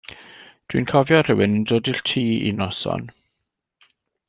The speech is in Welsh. Dw i'n cofio rywun yn dod i'r tŷ un noson.